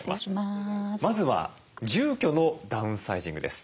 まずは住居のダウンサイジングです。